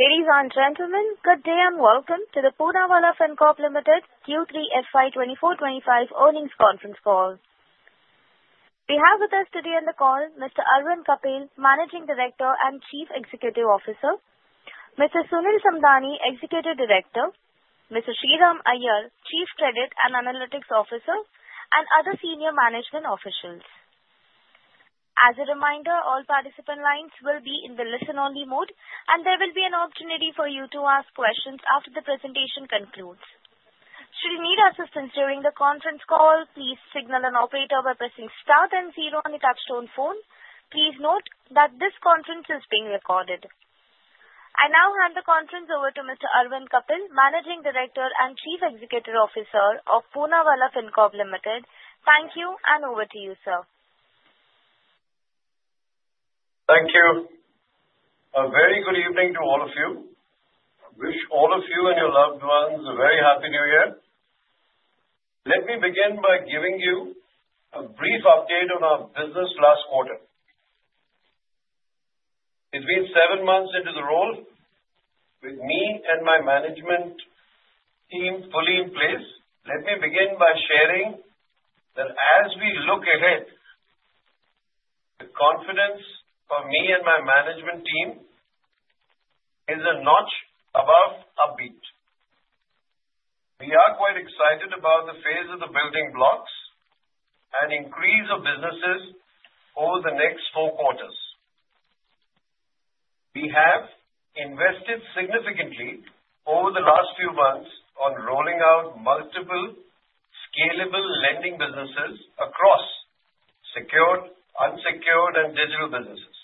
Ladies and gentlemen, good day and welcome to the Poonawalla Fincorp Limited Q3 FY 2024-2025 earnings conference call. We have with us today on the call Mr. Arvind Kapil, Managing Director and Chief Executive Officer, Mr. Sunil Samdani, Executive Director, Mr. Shriram Iyer, Chief Credit and Analytics Officer, and other senior management officials. As a reminder, all participant lines will be in the listen-only mode, and there will be an opportunity for you to ask questions after the presentation concludes. Should you need assistance during the conference call, please signal an operator by pressing star and zero on the touch-tone phone. Please note that this conference is being recorded. I now hand the conference over to Mr. Arvind Kapil, Managing Director and Chief Executive Officer of Poonawalla Fincorp Limited. Thank you, and over to you, sir. Thank you. A very good evening to all of you. I wish all of you and your loved ones a very happy New Year. Let me begin by giving you a brief update on our business last quarter. It's been seven months into the role with me and my management team fully in place. Let me begin by sharing that as we look ahead, the confidence of me and my management team is a notch above upbeat. We are quite excited about the phase of the building blocks and increase of businesses over the next four quarters. We have invested significantly over the last few months on rolling out multiple scalable lending businesses across secured, unsecured, and digital businesses.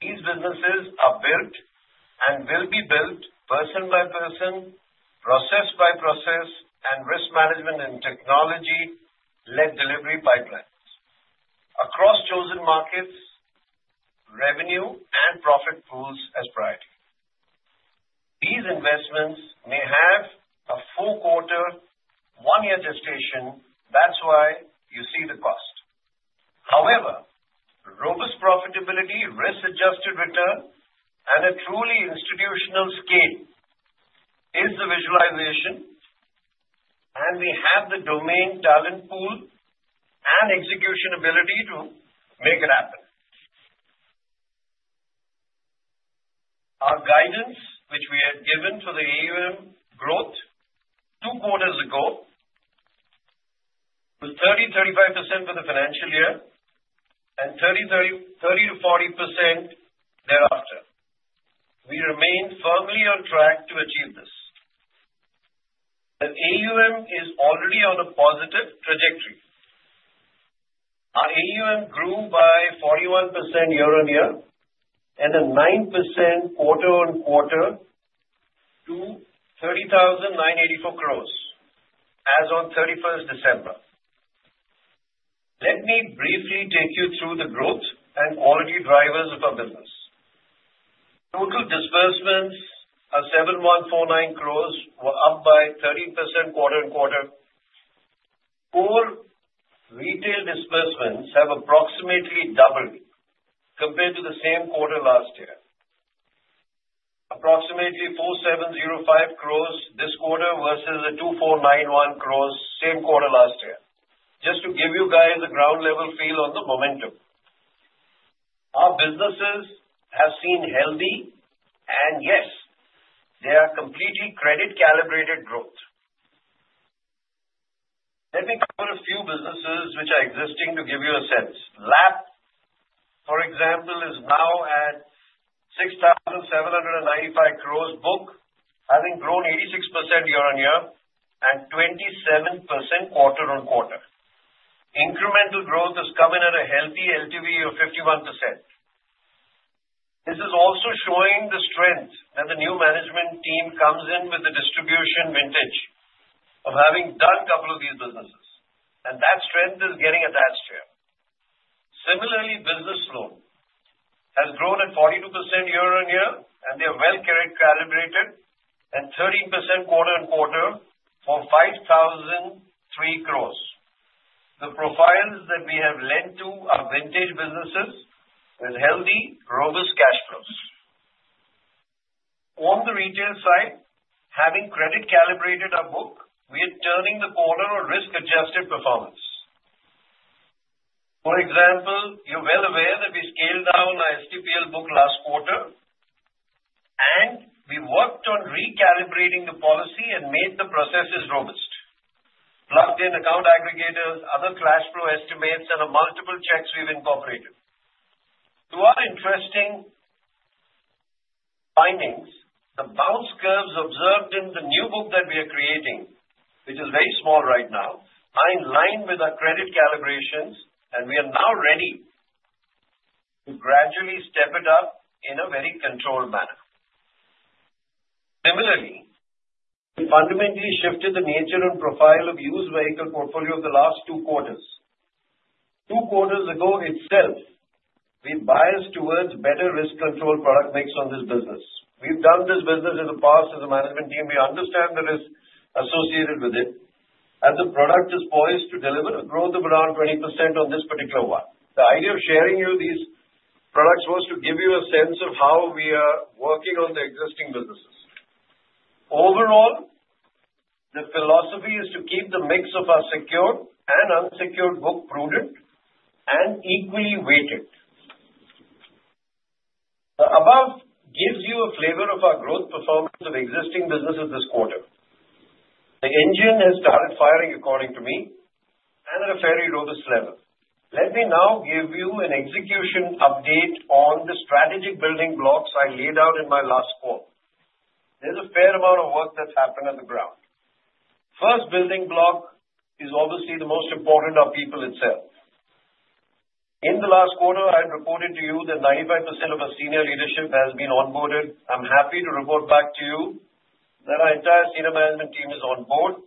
These businesses are built and will be built person by person, process by process, and risk management and technology-led delivery pipelines across chosen markets, revenue, and profit pools as priority. These investments may have a four-quarter one-year gestation. That's why you see the cost. However, robust profitability, risk-adjusted return, and a truly institutional scale is the visualization, and we have the domain talent pool and execution ability to make it happen. Our guidance, which we had given for the AUM growth two quarters ago, was 30%-35% for the financial year and 30%-40% thereafter. We remain firmly on track to achieve this. The AUM is already on a positive trajectory. Our AUM grew by 41% year-on-year and a 9% quarter-on-quarter to 30,984 crores, as of 31st December. Let me briefly take you through the growth and quality drivers of our business. Total disbursements of 7,149 crores were up by 30% quarter-on-quarter. Core retail disbursements have approximately doubled compared to the same quarter last year, approximately 4,705 crores this quarter versus the 2,491 crores same quarter last year, just to give you guys a ground-level feel on the momentum. Our businesses have seen healthy, and yes, they are completely credit-calibrated growth. Let me cover a few businesses which are existing to give you a sense. LAP, for example, is now at 6,795 crores book, having grown 86% year-on-year and 27% quarter-on-quarter. Incremental growth has come in at a healthy LTV of 51%. This is also showing the strength that the new management team comes in with the distribution vintage of having done a couple of these businesses, and that strength is getting attached here. Similarly, Business Loan has grown at 42% year-on-year, and they are well calibrated and 13% quarter-on-quarter for 5,003 crores. The profiles that we have lent to are vintage businesses with healthy, robust cash flows. On the retail side, having credit-calibrated our book, we are turning the corner on risk-adjusted performance. For example, you're well aware that we scaled down our STPL book last quarter, and we worked on recalibrating the policy and made the processes robust, plugged in account aggregators, other cash flow estimates, and multiple checks we've incorporated. To our interesting findings, the bounce curves observed in the new book that we are creating, which is very small right now, are in line with our credit calibrations, and we are now ready to gradually step it up in a very controlled manner. Similarly, we fundamentally shifted the nature and profile of used vehicle portfolio of the last two quarters. Two quarters ago itself, we biased towards better risk-control product mix on this business. We've done this business in the past as a management team. We understand the risk associated with it, and the product is poised to deliver a growth of around 20% on this particular one. The idea of sharing you these products was to give you a sense of how we are working on the existing businesses. Overall, the philosophy is to keep the mix of our secured and unsecured book prudent and equally weighted. The above gives you a flavor of our growth performance of existing businesses this quarter. The engine has started firing, according to me, and at a fairly robust level. Let me now give you an execution update on the strategic building blocks I laid out in my last call. There's a fair amount of work that's happened on the ground. First building block is obviously the most important of people itself. In the last quarter, I had reported to you that 95% of our senior leadership has been onboarded. I'm happy to report back to you that our entire senior management team is onboard.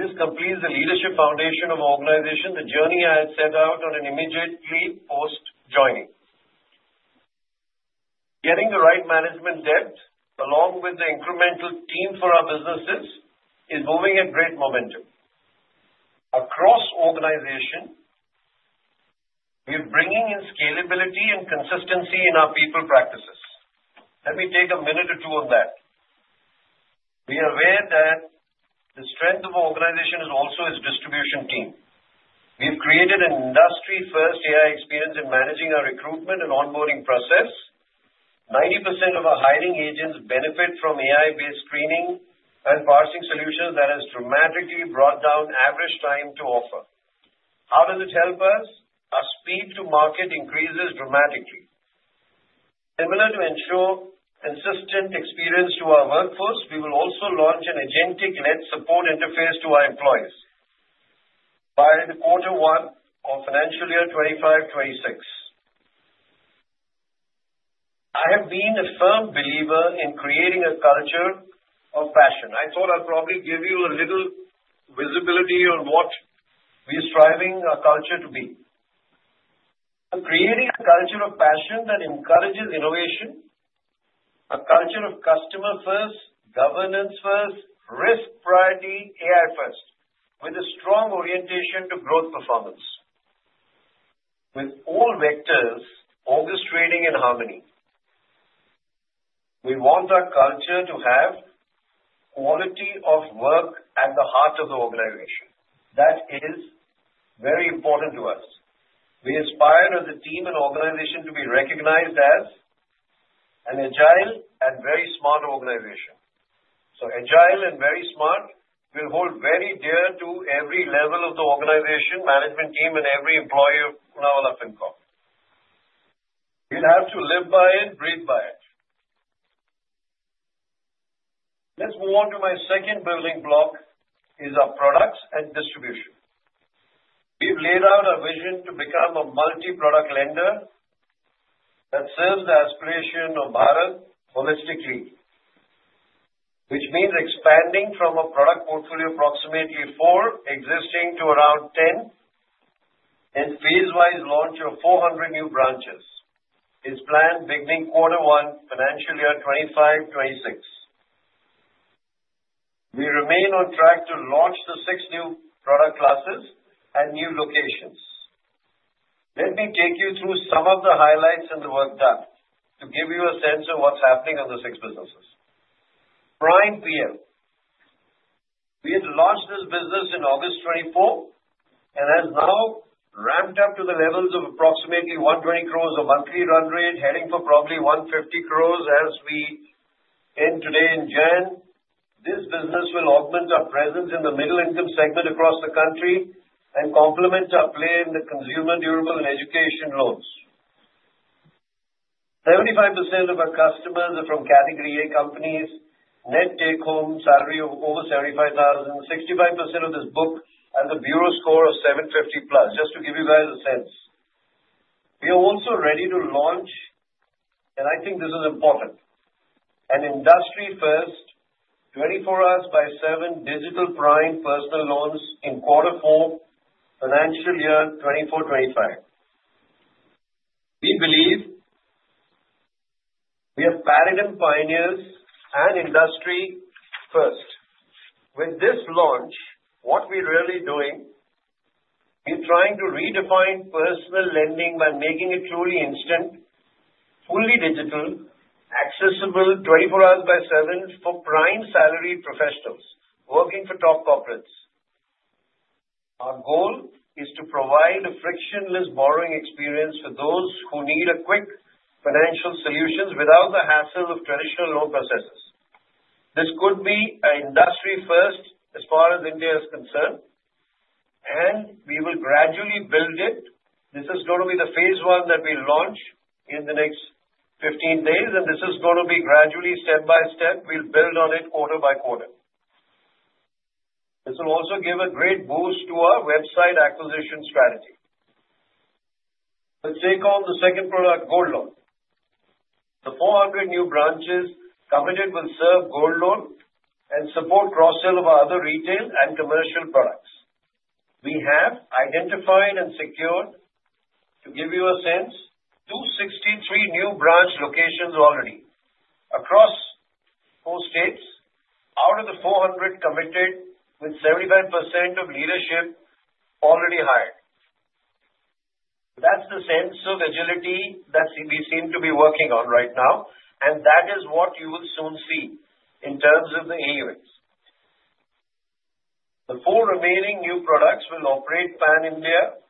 This completes the leadership foundation of our organization, the journey I had set out on immediately post-joining. Getting the right management depth, along with the incremental team for our businesses, is moving at great momentum. Across organization, we're bringing in scalability and consistency in our people practices. Let me take a minute or two on that. We are aware that the strength of our organization is also its distribution team. We've created an industry-first AI experience in managing our recruitment and onboarding process. 90% of our hiring agents benefit from AI-based screening and parsing solutions that have dramatically brought down average time to offer. How does it help us? Our speed to market increases dramatically. Similarly, to ensure consistent experience to our workforce, we will also launch an agentic-led support interface to our employees by the quarter one of financial year 2025-2026. I have been a firm believer in creating a culture of passion. I thought I'd probably give you a little visibility on what we are striving our culture to be. Creating a culture of passion that encourages innovation, a culture of customer-first, governance-first, risk-priority AI-first, with a strong orientation to growth performance, with all vectors orchestrating in harmony. We want our culture to have quality of work at the heart of the organization. That is very important to us. We aspire as a team and organization to be recognized as an agile and very smart organization. So agile and very smart will hold very dear to every level of the organization, management team, and every employee of Poonawalla Fincorp. You'll have to live by it, breathe by it. Let's move on to my second building block, which is our products and distribution. We've laid out our vision to become a multi-product lender that serves the aspiration of Bharat holistically, which means expanding from a product portfolio of approximately four existing to around 10 and phase-wise launch of 400 new branches. It's planned beginning quarter one, financial year 2025-2026. We remain on track to launch the six new product classes at new locations. Let me take you through some of the highlights in the work done to give you a sense of what's happening on the six businesses. Prime PL, we had launched this business in August 2024 and has now ramped up to the levels of approximately 120 crores of monthly run rate, heading for probably 150 crores as we end today in June. This business will augment our presence in the middle-income segment across the country and complement our play in the Consumer Durable and Education Loans. 75% of our customers are from category A companies, net take-home salary of over 75,000, 65% of this book has a Bureau score of 750+, just to give you guys a sense. We are also ready to launch, and I think this is important, an industry-first 24/7 Digital Prime Personal Loans in quarter four, financial year 2024-25. We believe we have paradigm pioneers and industry first. With this launch, what we're really doing, we're trying to redefine personal lending by making it truly instant, fully digital, accessible 24/7 for prime salary professionals working for top corporates. Our goal is to provide a frictionless borrowing experience for those who need quick financial solutions without the hassle of traditional loan processes. This could be an industry-first as far as India is concerned, and we will gradually build it. This is going to be the Phase-1 that we launch in the next 15 days, and this is going to be gradually, step by step, we'll build on it quarter-by-quarter. This will also give a great boost to our website acquisition strategy. Let's take on the second product, Gold Loan. The 400 new branches coveted will serve Gold Loan and support cross-sale of our other retail and commercial products. We have identified and secured, to give you a sense, 263 new branch locations already across four states. Out of the 400 committed, with 75% of leadership already hired. That's the sense of agility that we seem to be working on right now, and that is what you will soon see in terms of the AUMs. The four remaining new products will operate pan-India.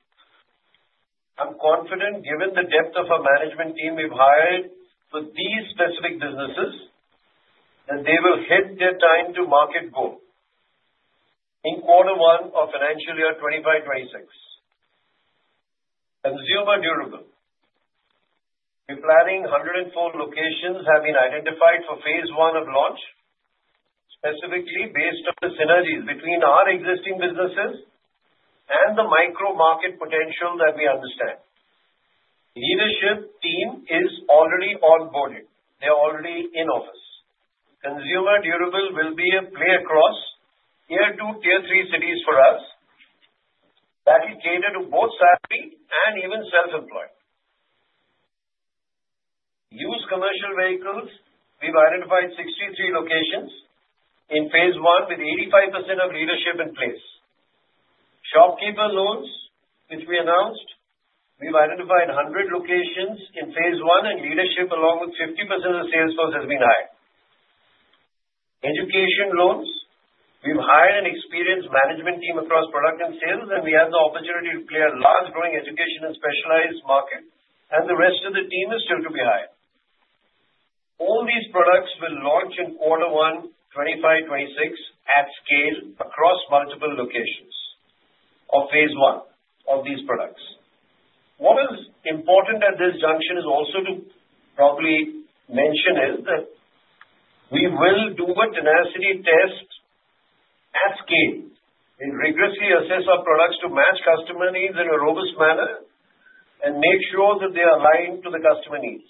I'm confident, given the depth of our management team we've hired for these specific businesses, that they will hit their time-to-market goal in quarter one of financial year 2025-2026. Consumer Durable, we're planning 104 locations have been identified for Phase-1 of launch, specifically based on the synergies between our existing businesses and the micro-market potential that we understand. Leadership team is already onboarded. They're already in office. Consumer Durable will be a play across Tier-2/Tier-3 cities for us that is catered to both salaried and even self-employed. Used Commercial Vehicles, we've identified 63 locations in Phase-1 with 85% of leadership in place. Shopkeeper Loans, which we announced, we've identified 100 locations in Phase-1 and leadership, along with 50% of the salesforce has been hired. Education Loans, we've hired an experienced management team across product and sales, and we had the opportunity to play a large growing education and specialized market, and the rest of the team is still to be hired. All these products will launch in quarter one 2025-2026 at scale across multiple locations of Phase-1 of these products. What is important at this juncture is also to probably mention is that we will do a sanity test at scale. We'll rigorously assess our products to match customer needs in a robust manner and make sure that they are aligned to the customer needs.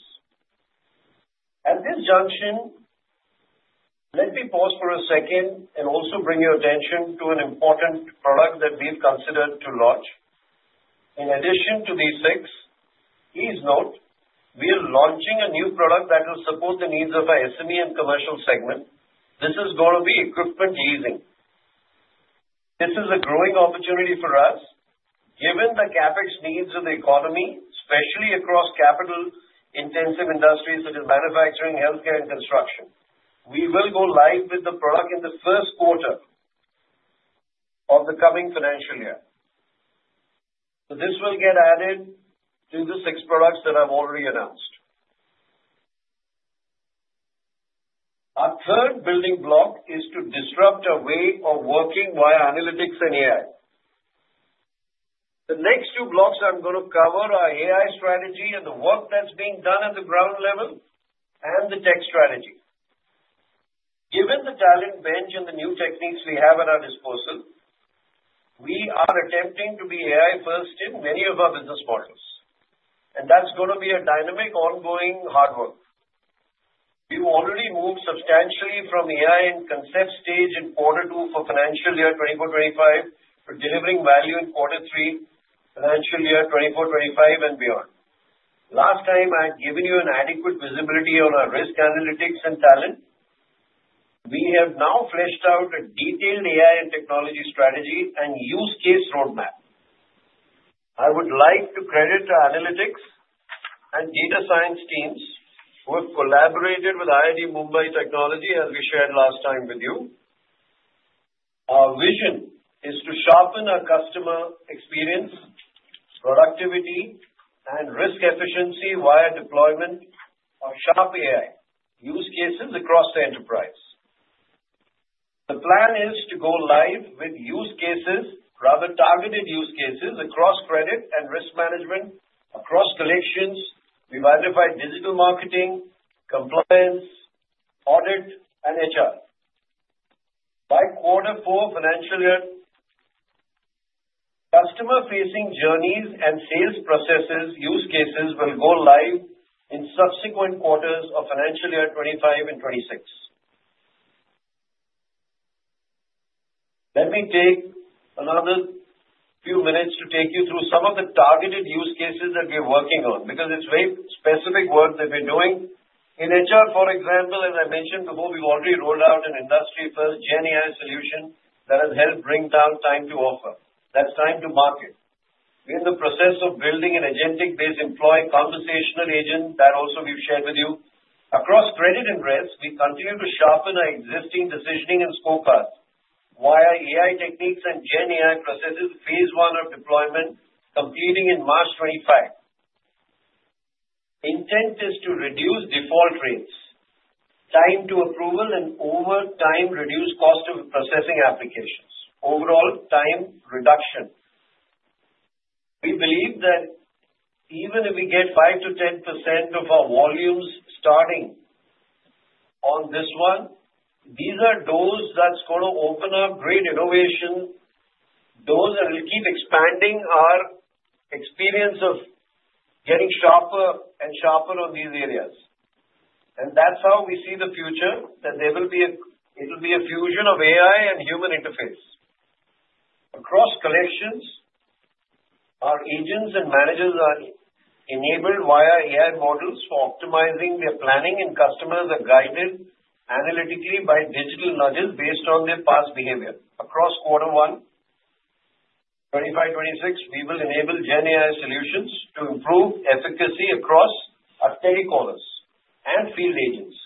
At this juncture, let me pause for a second and also bring your attention to an important product that we've considered to launch. In addition to these six, please note, we are launching a new product that will support the needs of our SME and commercial segment. This is going to be Equipment Leasing. This is a growing opportunity for us. Given the CapEx needs of the economy, especially across capital-intensive industries such as manufacturing, healthcare, and construction, we will go live with the product in the first quarter of the coming financial year. So this will get added to the six products that I've already announced. Our third building block is to disrupt our way of working via analytics and AI. The next two blocks I'm going to cover are AI strategy and the work that's being done at the ground level and the tech strategy. Given the talent bench and the new techniques we have at our disposal, we are attempting to be AI-first in many of our business models, and that's going to be a dynamic, ongoing hard work. We've already moved substantially from AI and concept stage in quarter two for financial year 2024-2025 to delivering value in quarter three, financial year 2024-2025 and beyond. Last time, I had given you an adequate visibility on our risk analytics and talent. We have now fleshed out a detailed AI and technology strategy and use case roadmap. I would like to credit our analytics and data science teams who have collaborated with IIT Bombay Technology, as we shared last time with you. Our vision is to sharpen our customer experience, productivity, and risk efficiency via deployment of sharp AI use cases across the enterprise. The plan is to go live with use cases, rather targeted use cases across credit and risk management, across collections. We've identified digital marketing, compliance, audit, and HR. By quarter four, financial year, customer-facing journeys and sales processes use cases will go live in subsequent quarters of financial year 2025 and 2026. Let me take another few minutes to take you through some of the targeted use cases that we're working on because it's very specific work that we're doing. In HR, for example, as I mentioned before, we've already rolled out an industry-first Gen AI solution that has helped bring down time to offer. That's time to market. We're in the process of building an agentic-based employee conversational agent that also we've shared with you. Across credit and risk, we continue to sharpen our existing decisioning and scope paths via AI techniques and Gen AI processes, Phase-1 of deployment completing in March 2025. Intent is to reduce default rates, time to approval, and over time reduce cost of processing applications. Overall time reduction. We believe that even if we get 5%-10% of our volumes starting on this one, these are doors that's going to open up great innovation, doors that will keep expanding our experience of getting sharper and sharper on these areas. And that's how we see the future, that there will be a fusion of AI and human interface. Across collections, our agents and managers are enabled via AI models for optimizing their planning, and customers are guided analytically by digital nudges based on their past behavior. Across quarter one 2025-2026, we will enable Gen AI solutions to improve efficacy across our telecallers and field agents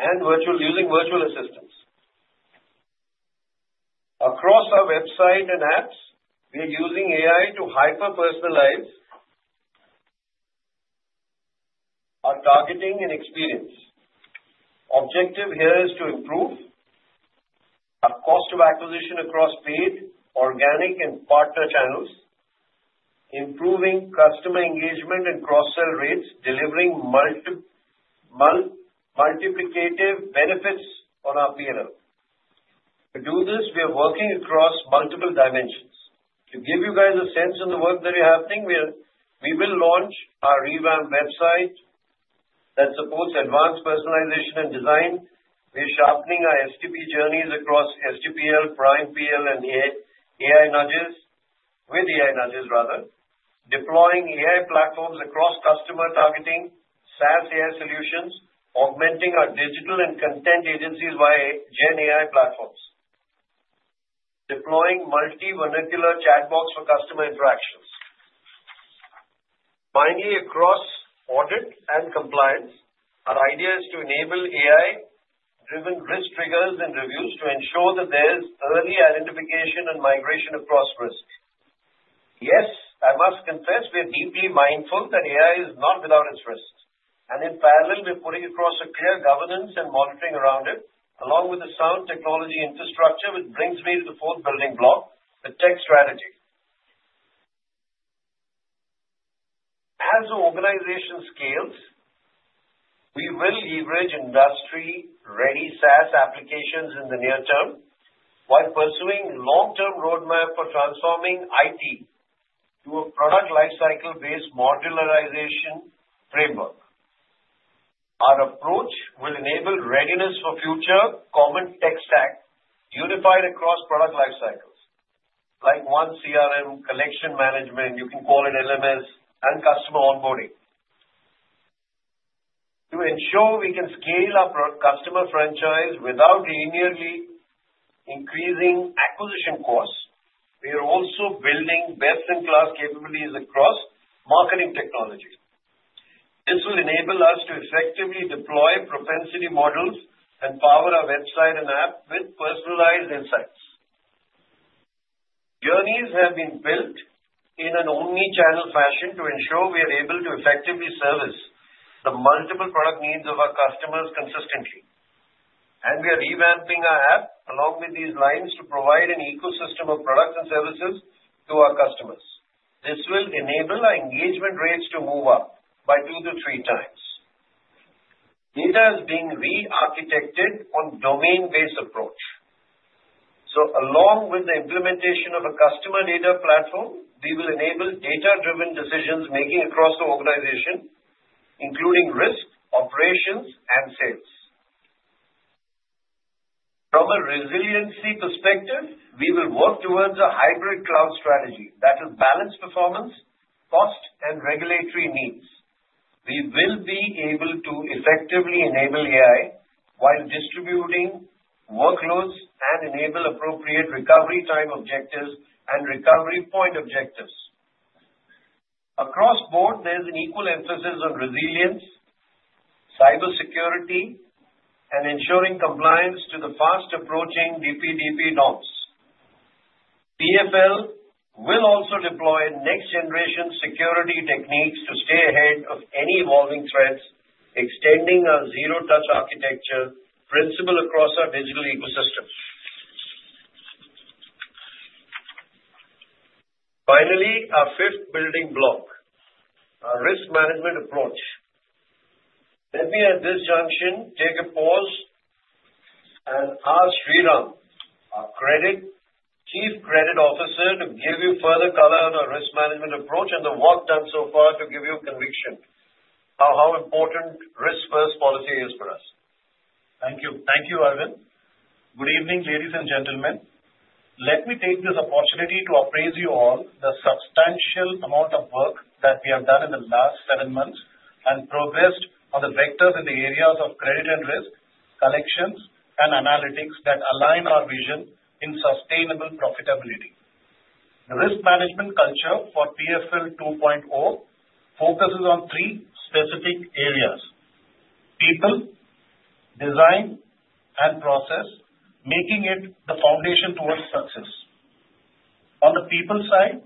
and using virtual assistants. Across our website and apps, we're using AI to hyper-personalize our targeting and experience. Objective here is to improve our cost of acquisition across paid, organic, and partner channels, improving customer engagement and cross-sale rates, delivering multiplicative benefits on our P&L. To do this, we are working across multiple dimensions. To give you guys a sense of the work that is happening, we will launch our revamped website that supports advanced personalization and design. We're sharpening our STP journeys across STPL, Prime PL, and AI nudges with AI nudges, rather, deploying AI platforms across customer targeting, SaaS AI solutions, augmenting our digital and content agencies via Gen AI platforms, deploying multi-vernacular chatbots for customer interactions. Finally, across audit and compliance, our idea is to enable AI-driven risk triggers and reviews to ensure that there's early identification and migration across risk. Yes, I must confess we're deeply mindful that AI is not without its risks, and in parallel, we're putting across a clear governance and monitoring around it, along with a sound technology infrastructure which brings me to the fourth building block, the tech strategy. As the organization scales, we will leverage industry-ready SaaS applications in the near term while pursuing a long-term roadmap for transforming IT to a product lifecycle-based modularization framework. Our approach will enable readiness for future common tech stack unified across product lifecycles, like one CRM, collection management, you can call it LMS, and customer onboarding. To ensure we can scale our customer franchise without linearly increasing acquisition costs, we are also building best-in-class capabilities across marketing technology. This will enable us to effectively deploy propensity models and power our website and app with personalized insights. Journeys have been built in an omnichannel fashion to ensure we are able to effectively service the multiple product needs of our customers consistently, and we are revamping our app along these lines to provide an ecosystem of products and services to our customers. This will enable our engagement rates to move up by 2x-3x. Data is being re-architected on a domain-based approach. So along with the implementation of a customer data platform, we will enable data-driven decision-making across the organization, including risk, operations, and sales. From a resiliency perspective, we will work towards a hybrid cloud strategy that will balance performance, cost, and regulatory needs. We will be able to effectively enable AI while distributing workloads and enable appropriate recovery time objectives and recovery point objectives. Across the board, there's an equal emphasis on resilience, cybersecurity, and ensuring compliance to the fast-approaching DPDP norms. PFL will also deploy next-generation security techniques to stay ahead of any evolving threats, extending our zero-touch architecture principle across our digital ecosystem. Finally, our fifth building block, our risk management approach. Let me, at this junction, take a pause and ask Shriram, our Chief Credit Officer, to give you further color on our risk management approach and the work done so far to give you conviction of how important risk-first policy is for us. Thank you. Thank you, Arvind. Good evening, ladies and gentlemen. Let me take this opportunity to apprise you of the substantial amount of work that we have done in the last seven months and progressed on the vectors in the areas of credit and risk, collections, and analytics that align our vision in sustainable profitability. The risk management culture for PFL 2.0 focuses on three specific areas: People, Design, and Process, making it the foundation towards success. On the people side,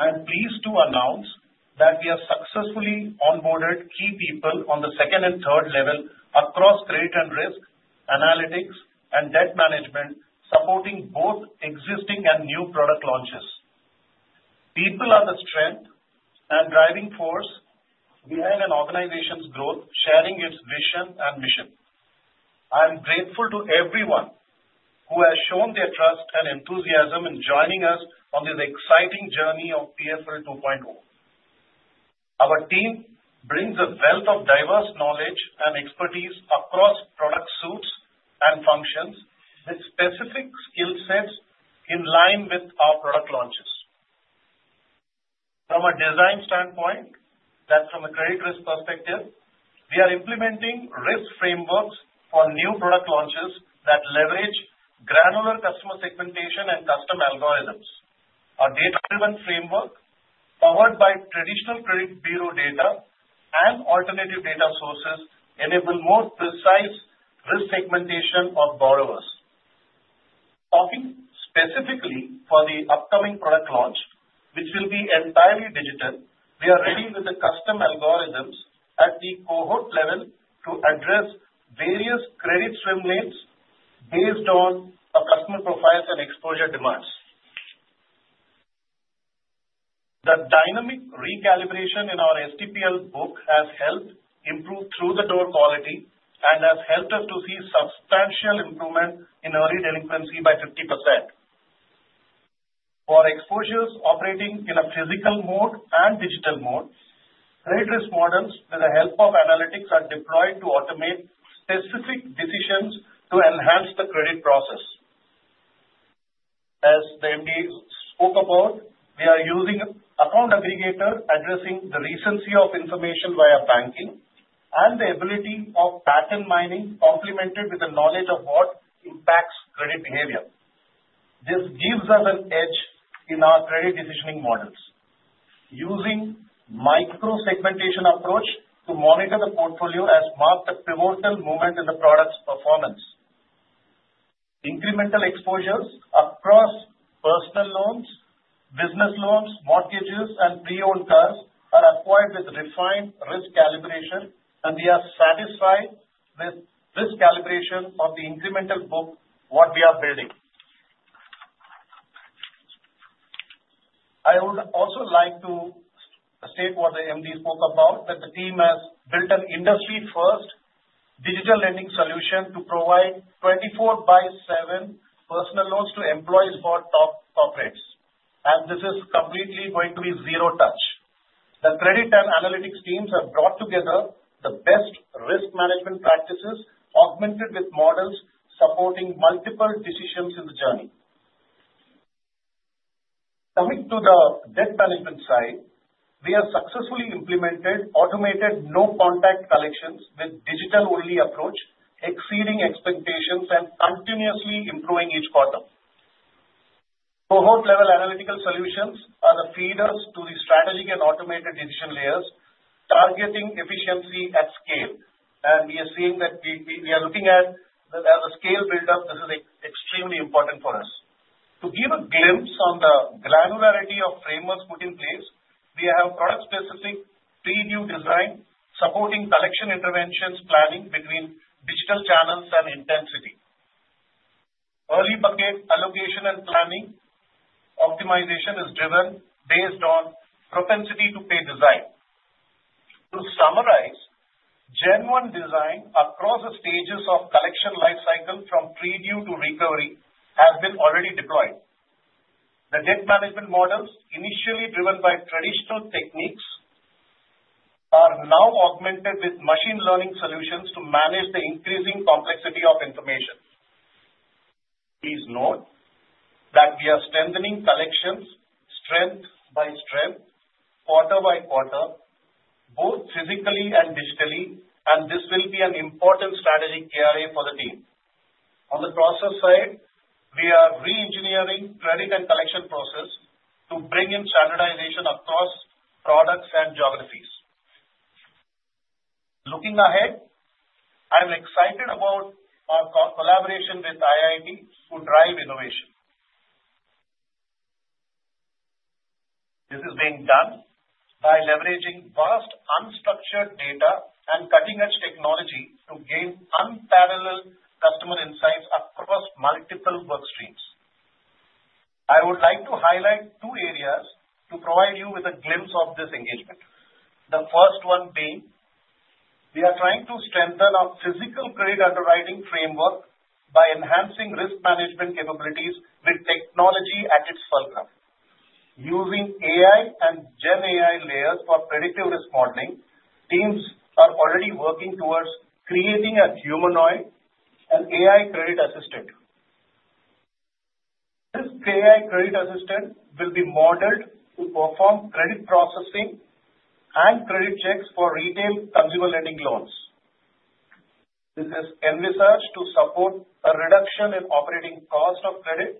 I'm pleased to announce that we have successfully onboarded key people on the second and third level across credit and risk, analytics, and debt management, supporting both existing and new product launches. People are the strength and driving force behind an organization's growth, sharing its vision and mission. I'm grateful to everyone who has shown their trust and enthusiasm in joining us on this exciting journey of PFL 2.0. Our team brings a wealth of diverse knowledge and expertise across product suites and functions with specific skill sets in line with our product launches. From a Design standpoint, that's from a credit risk perspective, we are implementing risk frameworks for new product launches that leverage granular customer segmentation and custom algorithms. Our data-driven framework, powered by traditional credit bureau data and alternative data sources, enables more precise risk segmentation of borrowers. Specifically for the upcoming product launch, which will be entirely digital, we are ready with the custom algorithms at the cohort level to address various credit swim lanes based on our customer profiles and exposure demands. The dynamic recalibration in our STPL book has helped improve through-the-door quality and has helped us to see substantial improvement in early delinquency by 50%. For exposures operating in a physical mode and digital mode, credit risk models with the help of analytics are deployed to automate specific decisions to enhance the credit process. As the MD spoke about, we are using account aggregator addressing the recency of information via banking and the ability of pattern mining complemented with the knowledge of what impacts credit behavior. This gives us an edge in our credit decisioning models, using micro-segmentation approach to monitor the portfolio, which marked the pivotal moment in the product's performance. Incremental exposures across personal loans, business loans, mortgages, and pre-owned cars are acquired with refined risk calibration, and we are satisfied with risk calibration of the incremental book that we are building. I would also like to state what the MD spoke about, that the team has built an industry-first digital lending solution to provide 24/7 personal loans to employees for top corporates, and this is completely going to be zero touch. The credit and analytics teams have brought together the best risk management practices augmented with models supporting multiple decisions in the journey. Coming to the debt management side, we have successfully implemented automated no-contact collections with digital-only approach, exceeding expectations and continuously improving each quarter. Cohort-level analytical solutions are the feeders to the strategic and automated decision layers, targeting efficiency at scale, and we are seeing that we are looking at the scale buildup. This is extremely important for us. To give a glimpse on the granularity of frameworks put in place, we have product-specific preview design supporting collection interventions planning between digital channels and intensity. Early bucket allocation and planning optimization is driven based on propensity to pay design. To summarize, Gen 1 design across the stages of collection lifecycle from preview to recovery has been already deployed. The debt management models, initially driven by traditional techniques, are now augmented with machine learning solutions to manage the increasing complexity of information. Please note that we are strengthening collections strength by strength, quarter by quarter, both physically and digitally, and this will be an important strategic KRA for the team. On the process side, we are re-engineering credit and collection process to bring in standardization across products and geographies. Looking ahead, I'm excited about our collaboration with IIT to drive innovation. This is being done by leveraging vast unstructured data and cutting-edge technology to gain unparalleled customer insights across multiple work streams. I would like to highlight two areas to provide you with a glimpse of this engagement. The first one being, we are trying to strengthen our physical credit underwriting framework by enhancing risk management capabilities with technology at its foreground. Using AI and Gen AI layers for predictive risk modeling, teams are already working towards creating a humanoid- an AI credit assistant. This AI credit assistant will be modeled to perform credit processing and credit checks for retail consumer lending loans. This is envisaged to support a reduction in operating cost of credit,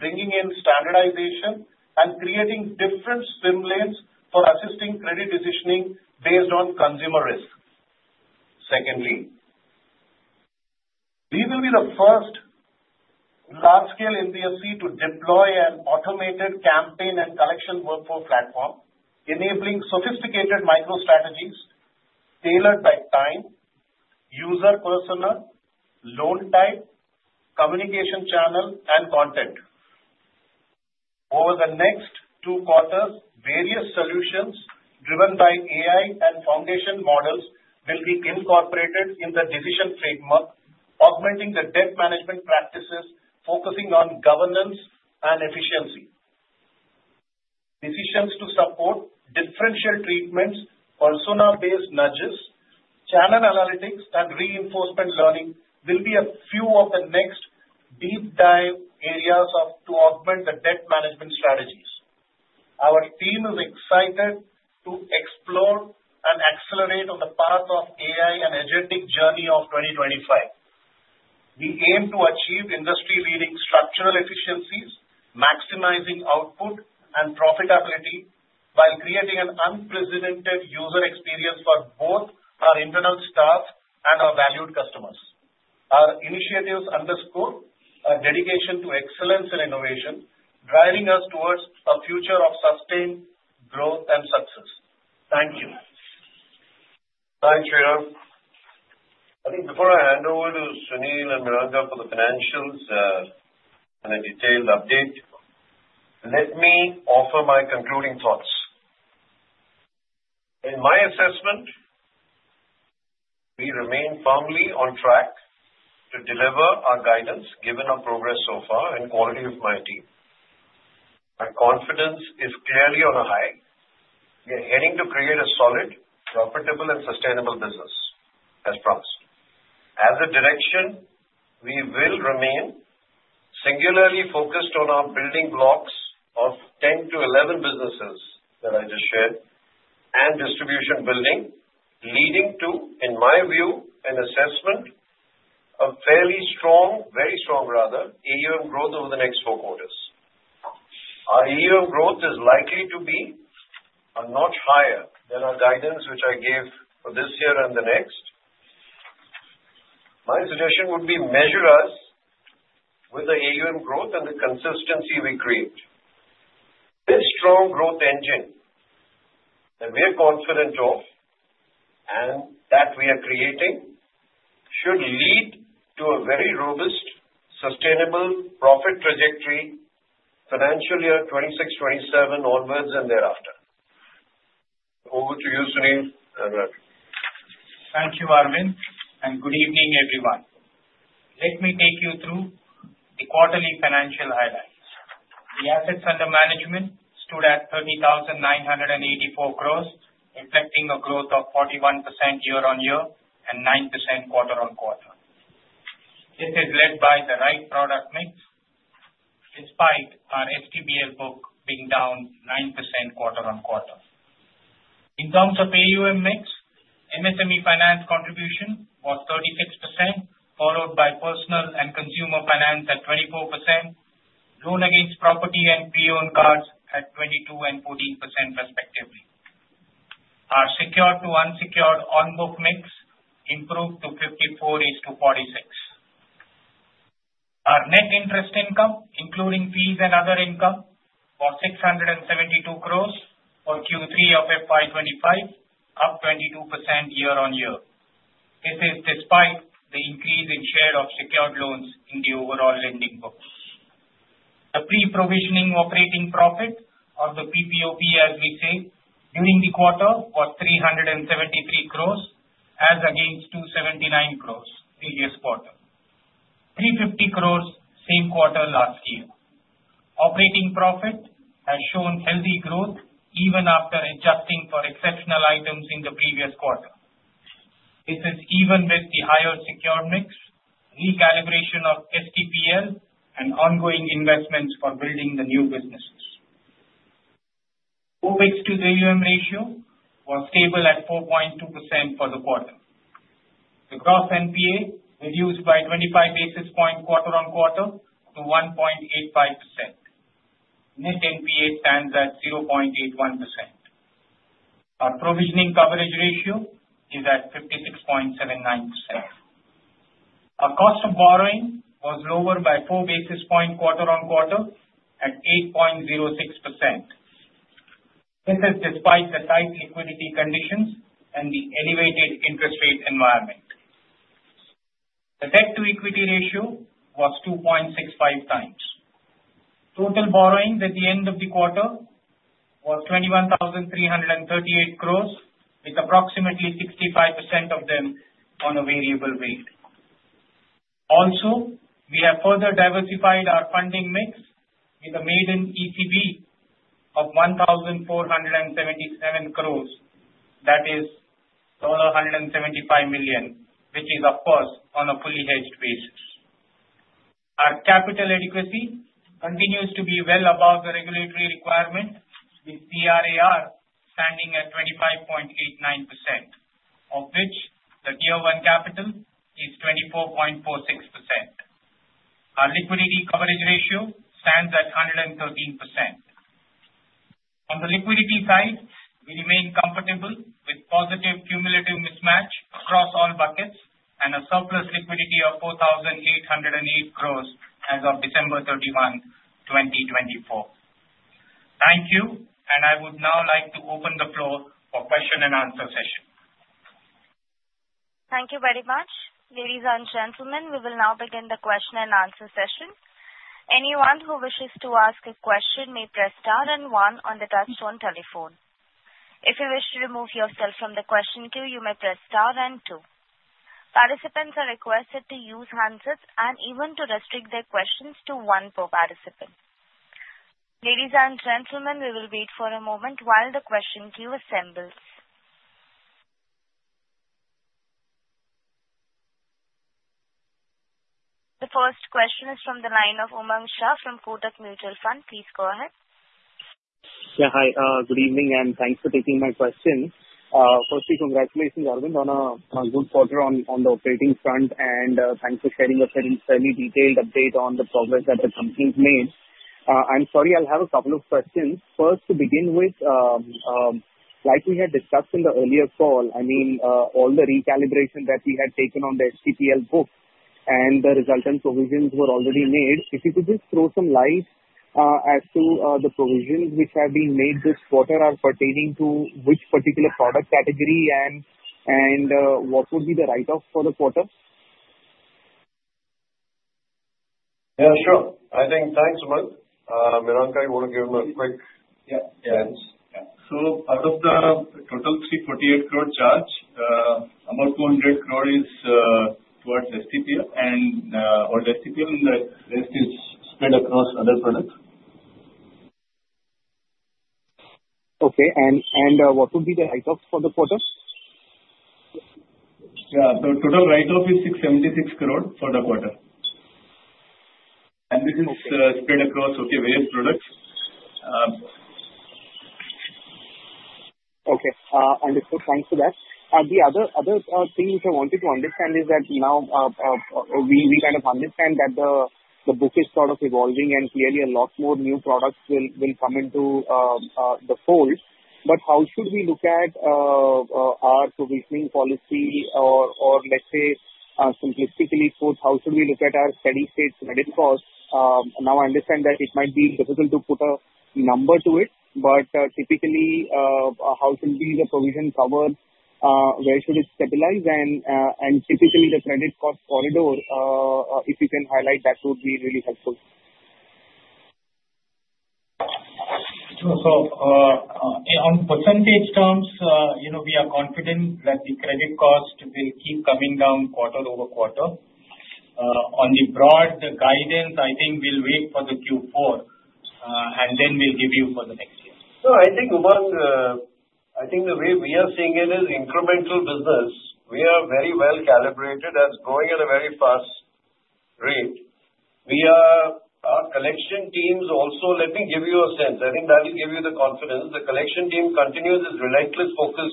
bringing in standardization and creating different swim lanes for assisting credit decisioning based on consumer risk. Secondly, we will be the first large-scale NBFC to deploy an automated campaign and collection workflow platform, enabling sophisticated micro-strategies tailored by time, user persona, loan type, communication channel, and content. Over the next two quarters, various solutions driven by AI and foundation models will be incorporated in the decision framework, augmenting the debt management practices, focusing on governance and efficiency. Decisions to support differential treatments, persona-based nudges, channel analytics, and reinforcement learning will be a few of the next deep-dive areas to augment the debt management strategies. Our team is excited to explore and accelerate on the path of AI and agentic journey of 2025. We aim to achieve industry-leading structural efficiencies, maximizing output and profitability while creating an unprecedented user experience for both our internal staff and our valued customers. Our initiatives underscore our dedication to excellence and innovation, driving us towards a future of sustained growth and success. Thank you. Thanks, Shriram. I think before I hand over to Sunil and Miranka for the financials and a detailed update, let me offer my concluding thoughts. In my assessment, we remain firmly on track to deliver our guidance given our progress so far and quality of my team. Our confidence is clearly on a high. We are aiming to create a solid, profitable, and sustainable business as promised. As a direction, we will remain singularly focused on our building blocks of 10-11 businesses that I just shared and distribution building, leading to, in my view, an assessment of fairly strong, very strong rather, AUM growth over the next four quarters. Our AUM growth is likely to be a notch higher than our guidance, which I gave for this year and the next. My suggestion would be measure us with the AUM growth and the consistency we create. This strong growth engine that we are confident of and that we are creating should lead to a very robust, sustainable profit trajectory financial year 2026, 2027 onwards and thereafter. Over to you, Sunil. Thank you, Arvind, and good evening, everyone. Let me take you through the quarterly financial highlights. The assets under management stood at 30,984 crores, reflecting a growth of 41% year-on-year and 9% quarter-on-quarter. This is led by the right product mix, despite our STPL book being down 9% quarter-on-quarter. In terms of AUM mix, MSME finance contribution was 36%, followed by personal and consumer finance at 24%, loan against property and pre-owned cars at 22% and 14% respectively. Our secured to unsecured on-book mix improved to 54% to 46%. Our net interest income, including fees and other income, was 672 crores for Q3 of FY2025, up 22% year-on-year. This is despite the increase in share of secured loans in the overall lending books. The pre-provisioning operating profit, or the PPOP, as we say, during the quarter was 373 crores, as against 279 crores previous quarter, 350 crores same quarter last year. Operating profit has shown healthy growth even after adjusting for exceptional items in the previous quarter. This is even with the higher secured mix, recalibration of STPL, and ongoing investments for building the new businesses. OpEx to AUM ratio was stable at 4.2% for the quarter. The gross NPA reduced by 25 basis points quarter-on-quarter to 1.85%. Net NPA stands at 0.81%. Our provisioning coverage ratio is at 56.79%. Our cost of borrowing was lower by 4 basis points quarter-on-quarter at 8.06%. This is despite the tight liquidity conditions and the elevated interest rate environment. The debt to equity ratio was 2.65x. Total borrowing at the end of the quarter was 21,338 crores, with approximately 65% of them on a variable rate. Also, we have further diversified our funding mix with a maiden ECB of 1,477 crores, that is $175 million, which is, of course, on a fully hedged basis. Our capital adequacy continues to be well above the regulatory requirement, with CRAR standing at 25.89%, of which the Tier 1 capital is 24.46%. Our liquidity coverage ratio stands at 113%. On the liquidity side, we remain comfortable with positive cumulative mismatch across all buckets and a surplus liquidity of 4,808 crores as of December 31, 2024. Thank you, and I would now like to open the floor for question and answer session. Thank you very much. Ladies and gentlemen, we will now begin the question and answer session. Anyone who wishes to ask a question may press star and one on the touch-tone telephone. If you wish to remove yourself from the question queue, you may press star and two. Participants are requested to use handsets and even to restrict their questions to one per participant. Ladies and gentlemen, we will wait for a moment while the question queue assembles. The first question is from the line of Umang Shah from Kotak Mutual Fund. Please go ahead. Yeah, hi. Good evening, and thanks for taking my question. Firstly, congratulations, Arvind, on a good quarter on the operating front, and thanks for sharing a fairly detailed update on the progress that the company's made. I'm sorry, I'll have a couple of questions. First, to begin with, like we had discussed in the earlier call, I mean, all the recalibration that we had taken on the STPL book and the resultant provisions were already made. If you could just throw some light as to the provisions which have been made this quarter are pertaining to which particular product category and what would be the write-off for the quarter? Yeah, sure. I think thanks, Umang. Miranka, you want to give him a quick glance? Yeah. So out of the total 348 crore charge, about 200 crore is towards STPL, and all the STPL and the rest is spread across other products. Okay. And what would be the write-off for the quarter? Yeah. The total write-off is 676 crore for the quarter. And this is spread across, okay, various products. Okay. Understood. Thanks for that. The other thing which I wanted to understand is that now we kind of understand that the book is sort of evolving, and clearly a lot more new products will come into the fold. But how should we look at our provisioning policy, or let's say simplistically put, how should we look at our steady-state credit costs? Now, I understand that it might be difficult to put a number to it, but typically, how should be the provision covered? Where should it stabilize? And typically, the credit cost corridor, if you can highlight that, would be really helpful. Sure. So on percentage terms, we are confident that the credit cost will keep coming down quarter over quarter. On the broad guidance, I think we'll wait for the Q4, and then we'll give you for the next year. So I think, Umang, I think the way we are seeing it is incremental business. We are very well calibrated. That's growing at a very fast rate. Our collection teams also, let me give you a sense. I think that will give you the confidence. The collection team continues its relentless focus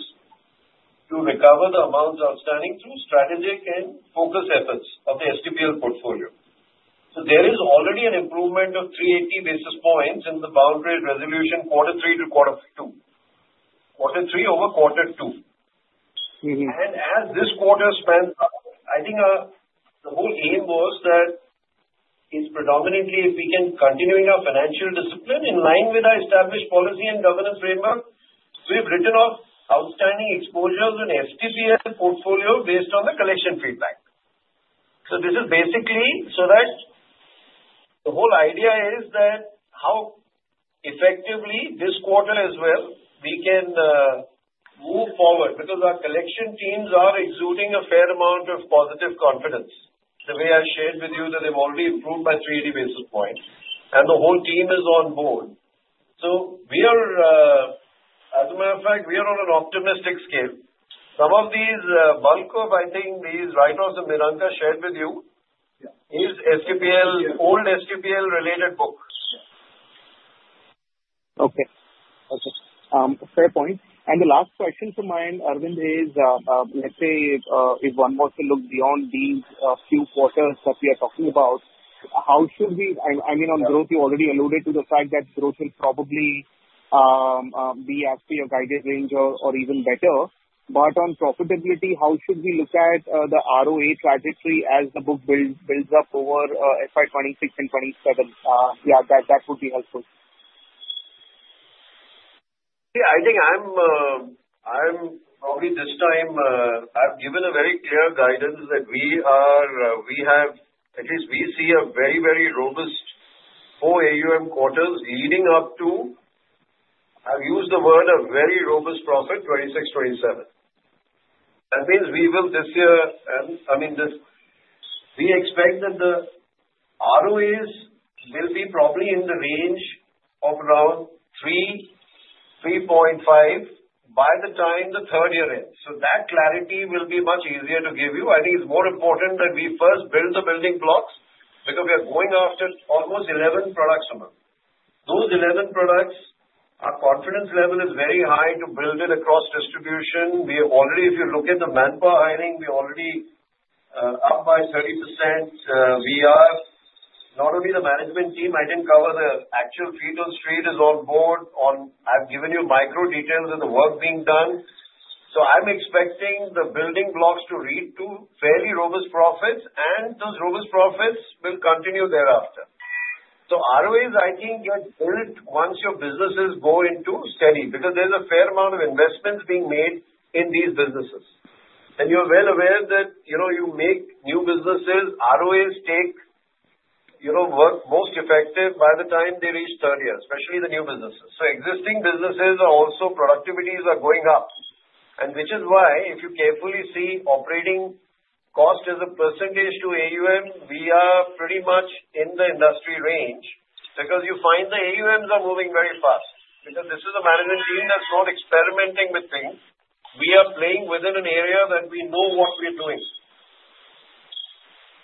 to recover the amounts outstanding through strategic and focused efforts of the STPL portfolio, so there is already an improvement of 380 basis points in the bad debt resolution quarter three to quarter two, quarter three over quarter two. As this quarter pans out, I think the whole aim was that it's predominantly if we can continue our financial discipline in line with our established policy and governance framework. We've written off outstanding exposures in STPL portfolio based on the collection feedback, so this is basically so that the whole idea is that how effectively this quarter as well we can move forward because our collection teams are exuding a fair amount of positive confidence. The way I shared with you that they've already improved by 380 basis points, and the whole team is on board. As a matter of fact, we are on an optimistic scale. Some of these bulk of, I think, these write-offs that Miranka shared with you is STPL, old STPL related books. Okay. Okay. Fair point. And the last question to my end, Arvind, is let's say if one was to look beyond these few quarters that we are talking about, how should we, I mean, on growth, you already alluded to the fact that growth will probably be at your guided range or even better. But on profitability, how should we look at the ROA trajectory as the book builds up over FY 2026 and 2027? Yeah, that would be helpful. Yeah. I think I'm probably this time I've given a very clear guidance that we have at least we see a very, very robust four AUM quarters leading up to, I've used the word, a very robust FY 2026-2027. That means we will this year I mean, we expect that the ROAs will be probably in the range of around 3.5% by the time the third year ends. So that clarity will be much easier to give you. I think it's more important that we first build the building blocks because we are going after almost 11 products, Umang. Those 11 products, our confidence level is very high to build it across distribution. If you look at the manpower hiring, we're already up by 30%. We are not only the management team. I didn't cover the actual feet on the street is on board. I've given you micro details of the work being done. So I'm expecting the building blocks to lead to fairly robust profits, and those robust profits will continue thereafter. So ROAs, I think, get built once your businesses go into steady because there's a fair amount of investments being made in these businesses. And you're well aware that you make new businesses, ROAs take a while to be most effective by the time they reach third year, especially the new businesses. So existing businesses are also productivities going up, which is why if you carefully see operating cost as a percentage of AUM, we are pretty much in the industry range because you find the AUMs are moving very fast. Because this is a management team that's not experimenting with things. We are playing within an area that we know what we're doing.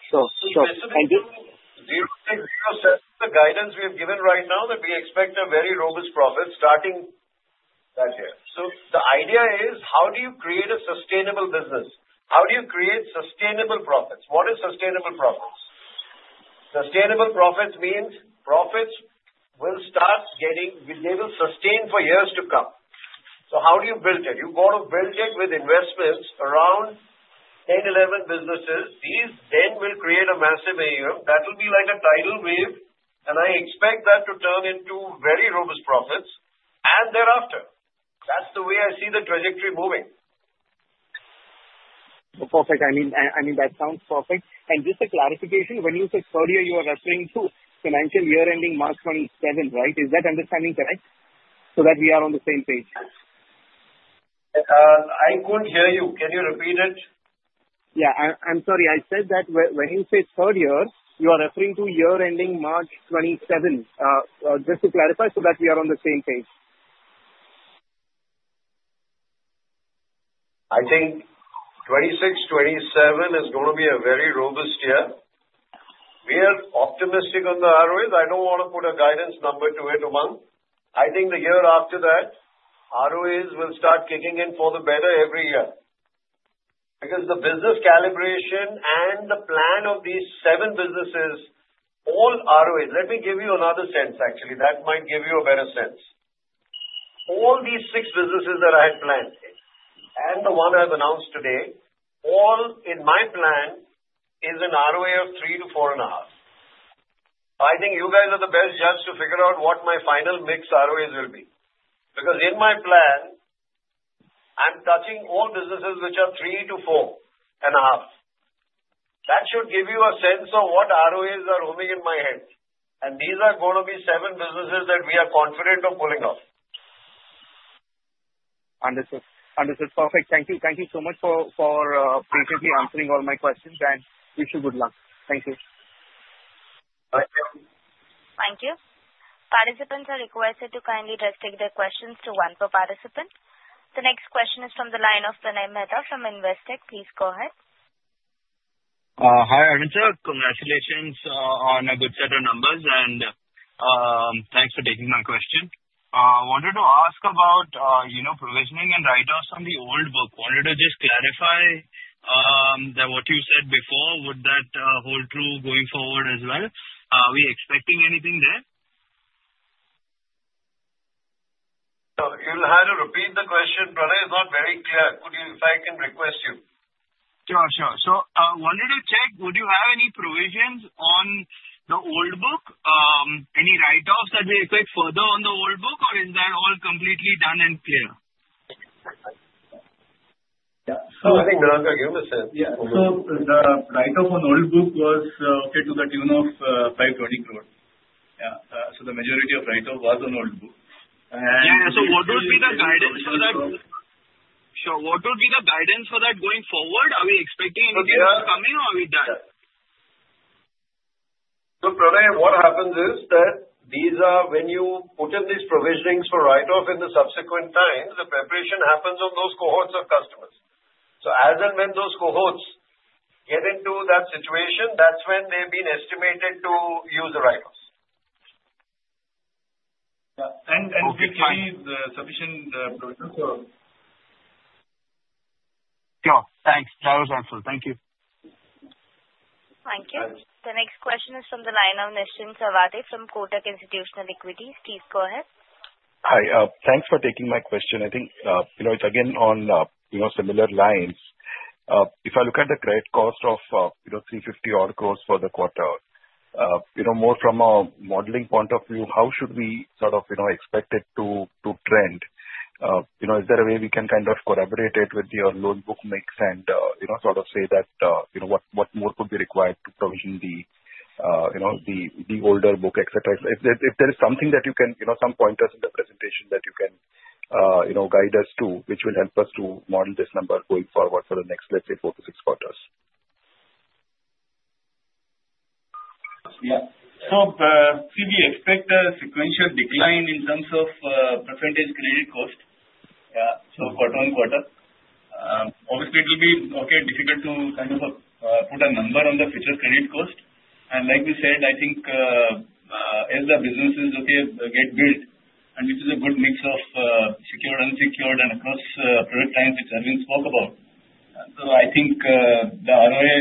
So the guidance we have given right now that we expect a very robust profit starting that year. So the idea is, how do you create a sustainable business? How do you create sustainable profits? What is sustainable profits? Sustainable profits means profits will start getting they will sustain for years to come. So how do you build it? You've got to build it with investments around 10-11 businesses. These then will create a massive AUM. That will be like a tidal wave, and I expect that to turn into very robust profits and thereafter. That's the way I see the trajectory moving. Perfect. I mean, that sounds perfect. And just a clarification, when you said third year, you were referring to financial year ending March 2027, right? Is that understanding correct? So that we are on the same page. I couldn't hear you. Can you repeat it? Yeah. I'm sorry. I said that when you say third year, you are referring to year ending March 2027. Just to clarify so that we are on the same page? I think 2026, 2027 is going to be a very robust year. We are optimistic on the ROAs. I don't want to put a guidance number to it, Umang. I think the year after that, ROAs will start kicking in for the better every year because the business calibration and the plan of these seven businesses, all ROAs. Let me give you another sense, actually. That might give you a better sense. All these six businesses that I had planned and the one I've announced today, all in my plan is an ROA of 3%-4.5%. I think you guys are the best judge to figure out what my final mix ROAs will be because in my plan, I'm touching all businesses which are 3%-4.5%. That should give you a sense of what ROAs are roaming in my head. These are going to be seven businesses that we are confident of pulling off. Understood. Understood. Perfect. Thank you. Thank you so much for patiently answering all my questions, and wish you good luck. Thank you. Thank you. Participants are requested to kindly restrict their questions to one per participant. The next question is from the line of Pranay Mehta from Investec. Please go ahead. Hi, Arvind sir. Congratulations on a good set of numbers, and thanks for taking my question. I wanted to ask about provisioning and write-offs on the old book. Wanted to just clarify that what you said before, would that hold true going forward as well? Are we expecting anything there? So you'll have to repeat the question. Pranay is not very clear. If I can request you. Sure. Sure. So I wanted to check, would you have any provisions on the old book, any write-offs that we expect further on the old book, or is that all completely done and clear? So I think Miranka. give him a sense. Yeah. So the write-off on old book was okay to the tune of 520 crore. Yeah. So the majority of write-off was on old book. And yeah. So what would be the guidance for that? Sure. What would be the guidance for that going forward? Are we expecting anything else coming, or are we done? So Pranay, what happens is that when you put in these provisioning for write-off in the subsequent times, the provisioning happens on those cohorts of customers? So as and when those cohorts get into that situation, that's when they've been estimated to use the write-offs. Yeah. And with these, we have sufficient provisions. Sure. Thanks. That was helpful. Thank you. Thank you. The next question is from the line of Nischint Chawathe from Kotak Institutional Equities. Please go ahead. Hi. Thanks for taking my question. I think it's again on similar lines. If I look at the credit cost of 350-odd crores for the quarter, more from a modeling point of view, how should we sort of expect it to trend? Is there a way we can kind of collaborate it with your loan book mix and sort of say that what more could be required to provision the older book, etc.? If there is something that you can some pointers in the presentation that you can guide us to, which will help us to model this number going forward for the next, let's say, four to six quarters? Yeah. So if we expect a sequential decline in terms of percentage credit cost, yeah, so quarter on quarter, obviously, it will be okay difficult to kind of put a number on the future credit cost. And like we said, I think as the businesses, okay, get built, and this is a good mix of secured, unsecured, and across product lines, which Arvind spoke about. So I think the ROA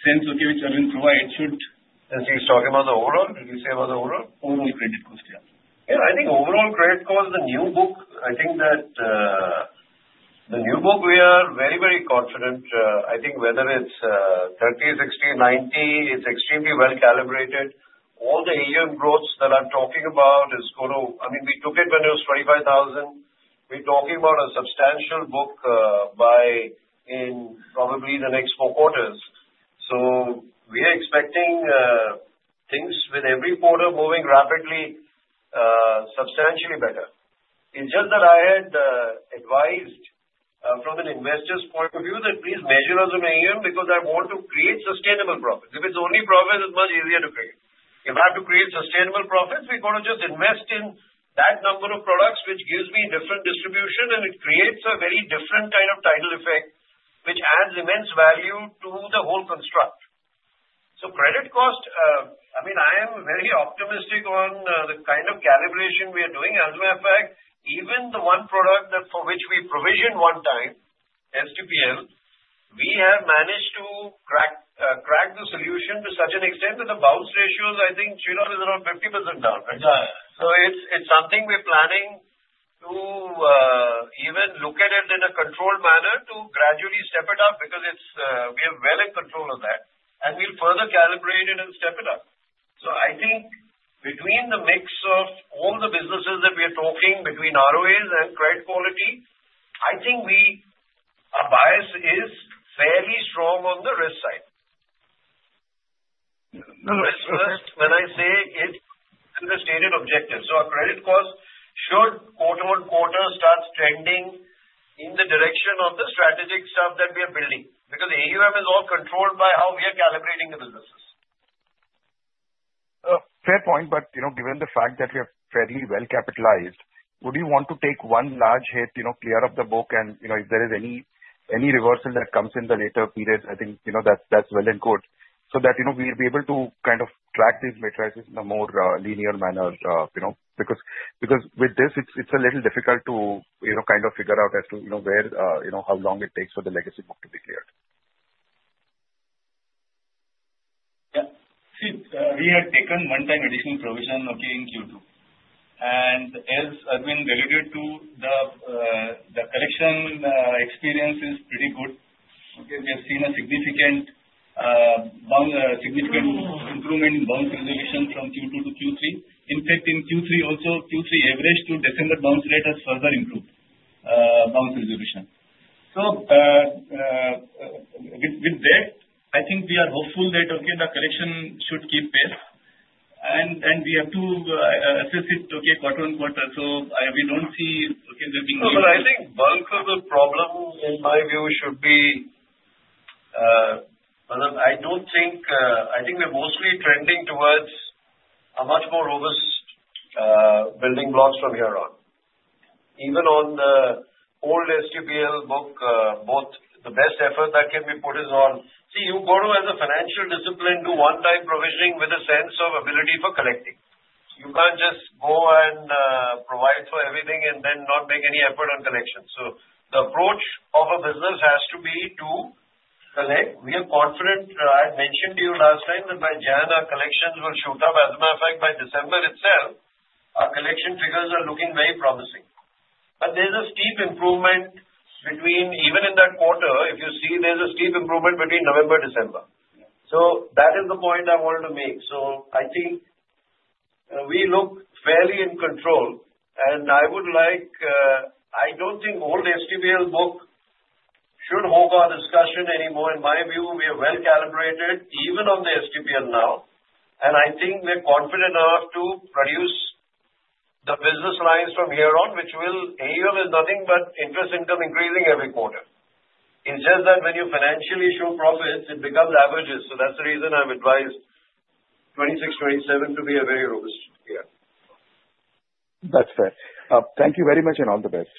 sense, okay, which Arvind provided, should. As he was talking about the overall? Did he say about the overall? Overall credit cost, yeah. Yeah. I think overall credit cost, the new book, I think that the new book, we are very, very confident. I think whether it's 30, 60, 90, it's extremely well calibrated. All the AUM growths that I'm talking about is going to, I mean, we took it when it was 25,000. We're talking about a substantial book by in probably the next four quarters. So we are expecting things with every quarter moving rapidly, substantially better. It's just that I had advised from an investor's point of view that please measure as an AUM because I want to create sustainable profits. If it's only profits, it's much easier to create. If I have to create sustainable profits, we've got to just invest in that number of products, which gives me different distribution, and it creates a very different kind of tidal effect, which adds immense value to the whole construct. So credit cost, I mean, I am very optimistic on the kind of calibration we are doing. As a matter of fact, even the one product for which we provisioned one time, STPL, we have managed to crack the solution to such an extent that the bounce ratios, I think, the loan is around 50% down, right? So it's something we're planning to even look at it in a controlled manner to gradually step it up because we have well in control of that. And we'll further calibrate it and step it up. So I think between the mix of all the businesses that we are talking between ROAs and credit quality, I think our bias is fairly strong on the risk side. When I say it's an understated objective. So our credit cost should quarter-on-quarter start trending in the direction of the strategic stuff that we are building because the AUM is all controlled by how we are calibrating the businesses. Fair point. But given the fact that we are fairly well capitalized, would you want to take one large hit, clear of the book, and if there is any reversal that comes in the later periods, I think that's well and good so that we'll be able to kind of track these metrics in a more linear manner? Because with this, it's a little difficult to kind of figure out as to how long it takes for the legacy book to be cleared. Yeah. See, we had taken one-time additional provision, okay, in Q2. And as Arvind alluded to, the collection experience is pretty good. Okay. We have seen a significant improvement in bounce resolution from Q2-Q3. In fact, in Q3 also, Q3 average to December bounce rate has further improved bounce resolution. So with that, I think we are hopeful that, okay, the collection should keep pace. And we have to assess it, okay, quarter on quarter. So we don't see, okay, there being any. Well, I think bulk of the problem, in my view, should be. I don't think we're mostly trending towards a much more robust building blocks from here on. Even on the old STPL book, both the best effort that can be put is on, see, you've got to, as a financial discipline, do one-time provisioning with a sense of ability for collecting. You can't just go and provide for everything and then not make any effort on collection. So the approach of a business has to be to collect. We are confident. I mentioned to you last time that by January, our collections will shoot up. As a matter of fact, by December itself, our collection figures are looking very promising. But there's a steep improvement between, even in that quarter, if you see, there's a steep improvement between November, December. So that is the point I wanted to make. So I think we look fairly in control, and I would like. I don't think old STPL book should hog our discussion anymore. In my view, we are well calibrated, even on the STPL now. And I think we're confident enough to produce the business lines from here on, which will AUM is nothing but interest income increasing every quarter. It's just that when you financially show profits, it becomes averages. So that's the reason I've advised 2026, 2027 to be a very robust year. That's fair. Thank you very much and all the best.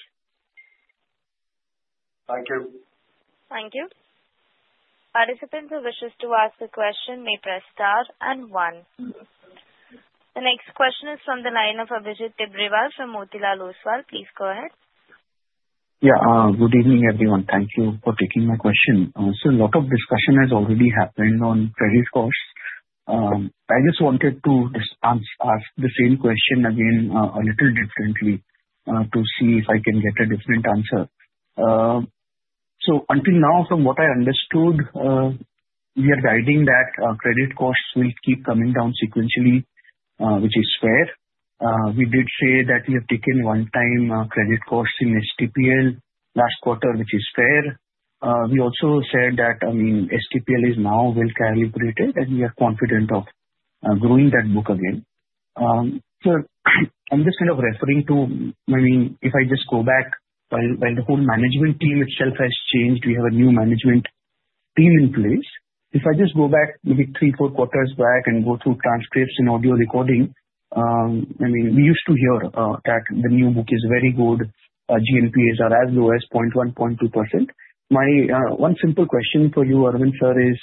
Thank you. Thank you. Participants who wish to ask a question may press star and one. The next question is from the line of Abhijit Tibrewal from Motilal Oswal. Please go ahead. Yeah. Good evening, everyone. Thank you for taking my question. So a lot of discussion has already happened on credit costs. I just wanted to just ask the same question again a little differently to see if I can get a different answer. So until now, from what I understood, we are guiding that credit costs will keep coming down sequentially, which is fair. We did say that we have taken one-time credit costs in STPL last quarter, which is fair. We also said that, I mean, STPL is now well calibrated, and we are confident of growing that book again. So I'm just kind of referring to, I mean, if I just go back, while the whole management team itself has changed, we have a new management team in place. If I just go back maybe three, four quarters back and go through transcripts and audio recording, I mean, we used to hear that the new book is very good. GNPAs are as low as 0.1%, 0.2%. My one simple question for you, Arvind sir, is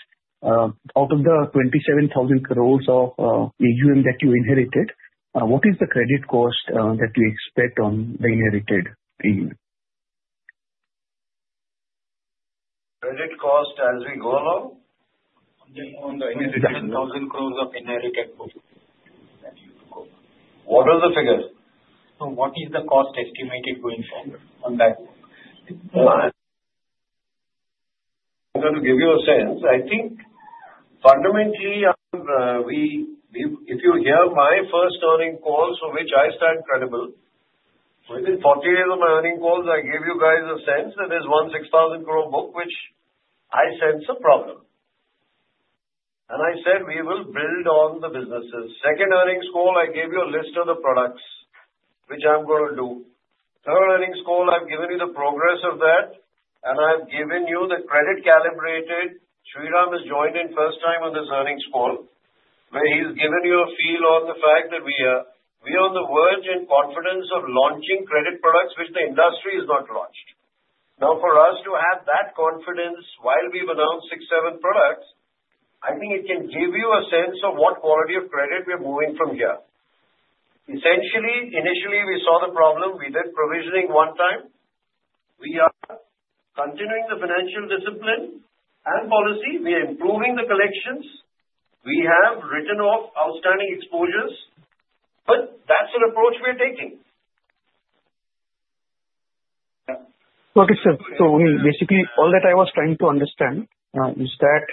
out of the 27,000 crores of AUM that you inherited, what is the credit cost that you expect on the inherited AUM? Credit cost as we go along? On the INR 27,000 crores of inherited book. What are the figures? So what is the cost estimated going forward on that book? I'm going to give you a sense. I think fundamentally, if you hear my first earnings calls, for which I stand credible, within 40 days of my earnings calls, I gave you guys a sense that there's one 6,000 crore book, which I sense a problem. And I said, "We will build on the businesses." Second earnings call, I gave you a list of the products, which I'm going to do. Third earnings call, I've given you the progress of that, and I've given you the credit calibrated. Shriram has joined in first time on this earnings call, where he's given you a feel on the fact that we are on the verge and confidence of launching credit products, which the industry has not launched. Now, for us to have that confidence while we've announced six, seven products, I think it can give you a sense of what quality of credit we're moving from here. Essentially, initially, we saw the problem. We did provisioning one time. We are continuing the financial discipline and policy. We are improving the collections. We have written off outstanding exposures. But that's an approach we are taking. Okay, sir. So I mean, basically, all that I was trying to understand is that,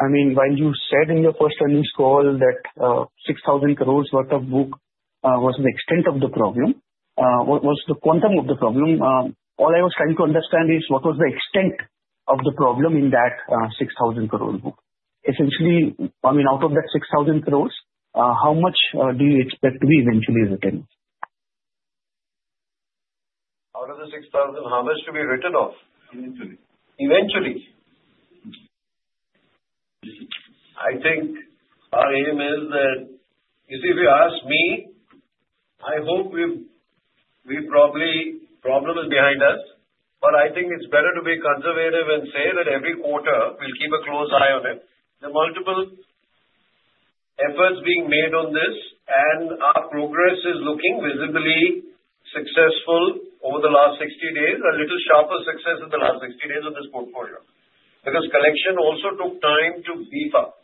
I mean, while you said in your first earnings call that 6,000 crores worth of book was the extent of the problem, what was the quantum of the problem? All I was trying to understand is what was the extent of the problem in that 6,000 crore book? Essentially, I mean, out of that 6,000 crores, how much do you expect to be eventually written off? Out of the 6,000 crores, how much to be written off eventually? Eventually. I think our aim is that if you ask me, I hope we probably problem is behind us. But I think it's better to be conservative and say that every quarter, we'll keep a close eye on it. The multiple efforts being made on this, and our progress is looking visibly successful over the last 60 days, a little sharper success in the last 60 days on this portfolio because collection also took time to beef up.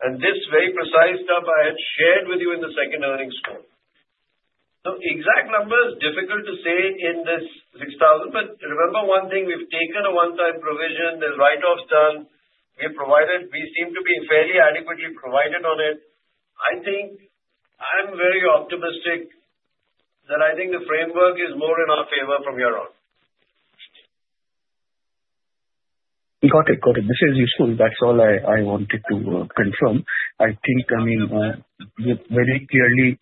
And this very precise stuff I had shared with you in the second earnings call. So exact numbers, difficult to say in this 6,000 crores. But remember one thing, we've taken a one-time provision. The write-offs done. We seem to be fairly adequately provided on it. I think I'm very optimistic that I think the framework is more in our favor from here on. Got it. Got it. This is useful. That's all I wanted to confirm. I think, I mean, we're very clearly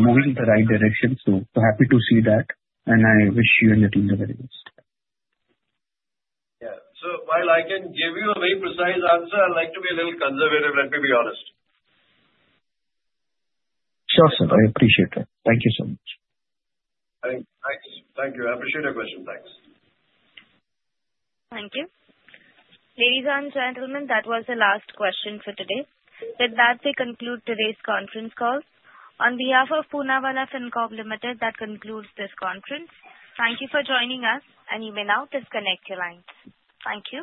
moving in the right direction. So happy to see that. And I wish you and the team the very best. Yeah. So while I can give you a very precise answer, I'd like to be a little conservative. Let me be honest. Sure, sir. I appreciate that. Thank you so much. Thank you. I appreciate your question. Thanks. Thank you. Ladies and gentlemen, that was the last question for today. With that, we conclude today's conference call. On behalf of Poonawalla Fincorp Limited, that concludes this conference. Thank you for joining us, and you may now disconnect your lines. Thank you.